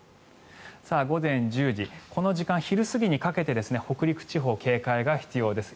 午前１０時この時間、昼過ぎにかけて北陸地方、警戒が必要です。